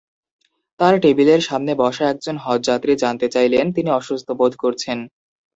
তাঁর টেবিলের সামনে বসা একজন হজযাত্রী জানতে চাইলেন, তিনি অসুস্থ বোধ করছেন।